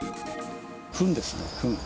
ふんですね、ふん。